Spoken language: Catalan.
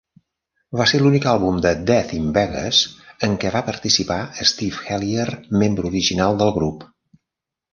Va ser l'únic àlbum de Death in Vegas en què va participar Steve Hellier, membre original del grup.